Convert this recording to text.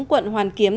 quận hoàn kiếm